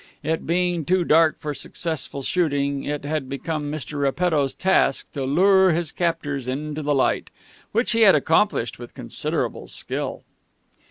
It being too dark for successful shooting, it had become Mr. Repetto's task to lure his captors into the light, which he had accomplished with considerable skill.